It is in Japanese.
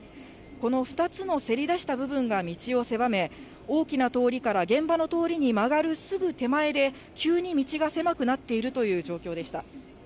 この２つのせり出した部分が道を狭め、大きな通りから現場の通りに曲がるすぐ手前で、急に道が狭くなっているという状況でした。